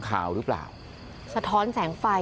ฐานพระพุทธรูปทองคำ